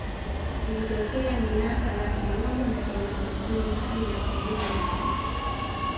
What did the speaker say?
Zilitokea miaka laki moja na elfu hamsini hadi laki mbili iliyopita